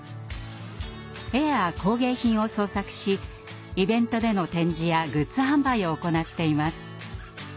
絵や工芸品を創作しイベントでの展示やグッズ販売を行っています。